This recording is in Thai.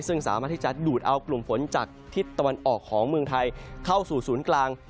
ซึ่งสามารถที่จะดูดเอากลุ่มฝนจากทิศตะวันออกของเมืองไทยเข้าสู่ศูนย์กลาง